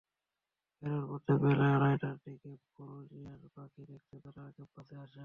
ফেরার পথে বেলা আড়াইটার দিকে পরিযায়ী পাখি দেখতে তাঁরা ক্যাম্পসে আসেন।